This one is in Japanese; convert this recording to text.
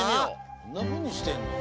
どんなふうにしてんの？